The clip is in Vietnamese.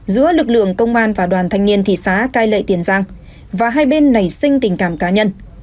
giữa lực lượng công an và đoàn thanh niên thị xã cai lệ tiền giang và hai bên nảy sinh tình cảm cá nhân